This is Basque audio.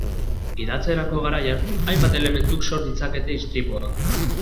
Gidatzerako garaian hainbat elementuk sor ditzakete istripuak.